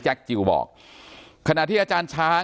การแก้เคล็ดบางอย่างแค่นั้นเอง